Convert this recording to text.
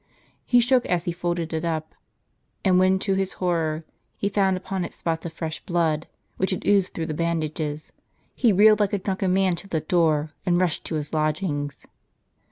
He shook as he folded it up ; and when, to his horror, he found upon it spots of fresh blood, which had oozed through the bandages, he reeled like a drunken man to the door, and rushed to his lodgings.